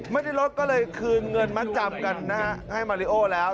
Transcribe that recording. ไม่ได้ลดก็เลยคืนเงินมัดจำกันนะฮะให้มาริโอแล้ว